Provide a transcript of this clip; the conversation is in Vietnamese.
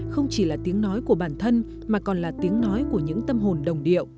không chỉ là tiếng nói của bản thân mà còn là tiếng nói của những tâm hồn đồng điệu